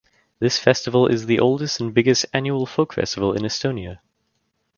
This festival is the oldest and biggest annual folk festival in Estonia.